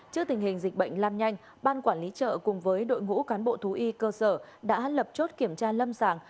trước tình hình dịch bệnh lan nhanh ban quản lý chợ cùng với đội ngũ cán bộ thú y cơ sở đã lập chốt kiểm tra lâm sàng